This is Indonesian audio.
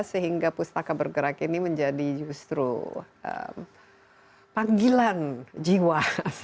sehingga pustaka bergerak ini menjadi justru panggilan jiwa